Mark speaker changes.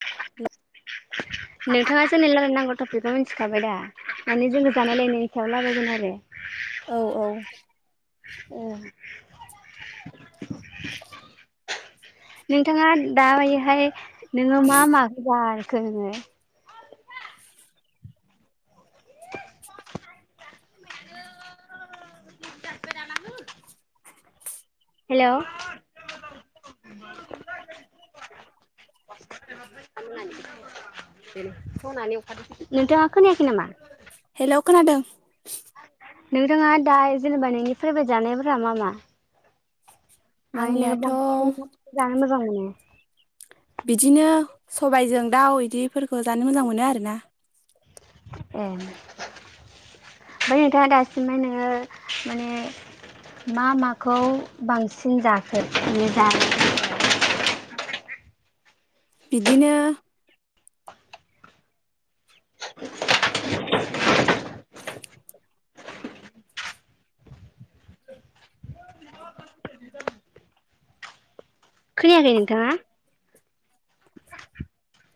Speaker 1: नोंथाङा जेनेल लालाय नांगौ टपिकखौ मिथिखाबाय दा माने जोङो जानाय लायनायनिखायाव लारायगोन आरो।
Speaker 2: औ औ
Speaker 1: अ नोंथाङा दायो हाय नोङो मा माखौहाय [unintelligible] हेल' नोंथाङा खोनायाखै
Speaker 2: हेलौ
Speaker 1: नामा?
Speaker 2: खोनादों।
Speaker 1: नोंथाङा दा जेनेबा नोंनि फाइबाय जानायफोरा मा मा?
Speaker 2: आंनियाथ'
Speaker 1: [unintelligible] जानो मोजां मोनो
Speaker 2: बिदिनो सबायजों दाउ इदिफोरखौ जानो मोजां मोनो आरोना।
Speaker 1: ए ओमफ्राय नोंथाङा दासिमबो नोङो माने मा माखौ बांसिन जाखो बेनो जा
Speaker 2: बिदिनो
Speaker 1: [unintelligible]
Speaker 2: [unintelligible]
Speaker 1: खोनायाखै नोंथाङा?
Speaker 2: [inaudible]